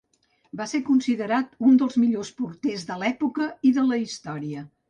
Va ser considerat un dels millors porters de l'època i de la història.